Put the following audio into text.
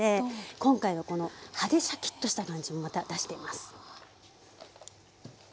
今回はこの葉でシャキッとした感じもまた出しています。